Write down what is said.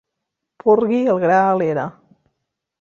Porgui el gra a l'era.